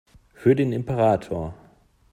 Für den Imperator!